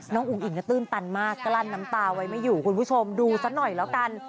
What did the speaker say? อุ๋งอิ๋งก็ตื้นตันมากกลั้นน้ำตาไว้ไม่อยู่คุณผู้ชมดูซะหน่อยแล้วกัน